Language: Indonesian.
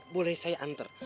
boleh saya antar